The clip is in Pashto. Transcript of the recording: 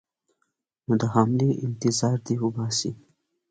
نو د حملې انتظار دې وباسي.